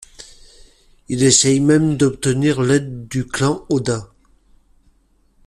Il essaye même d'obtenir l'aide du clan Oda.